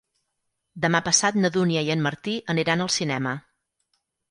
Demà passat na Dúnia i en Martí aniran al cinema.